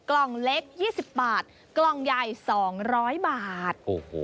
กล่องเล็ก๒๐บาทกล่องใหญ่๒๐๐บาท